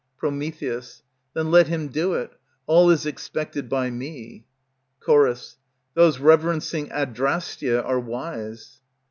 _ Then let him do it; all is expected by me. Ch. Those reverencing Adrastia are wise. _Pr.